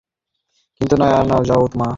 কিন্তু আর নয়, যাও মা, তুমি শুইতে যাও।